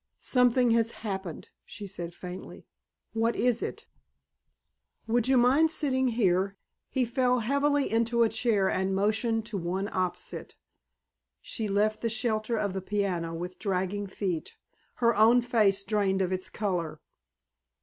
"Something has happened," she said faintly. "What is it?" "Would you mind sitting here?" He fell heavily into a chair and motioned to one opposite. She left the shelter of the piano with dragging feet, her own face drained of its color.